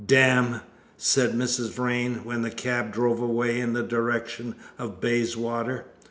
"Damn!" said Mrs. Vrain, when the cab drove away in the direction of Bayswater.